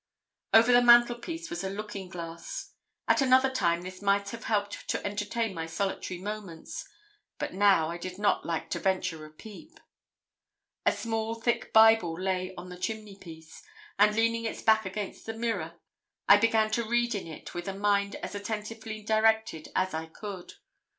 Over the mantelpiece was a looking glass. At another time this might have helped to entertain my solitary moments, but now I did not like to venture a peep. A small thick Bible lay on the chimneypiece, and leaning its back against the mirror, I began to read in it with a mind as attentively directed as I could.